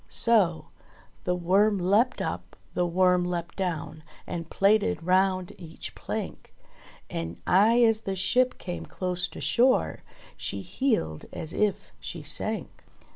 So : "The Worm leapt up, the Worm leapt down And plaited round each plank, And aye as the ship came close to shore K She heeled as if she sank."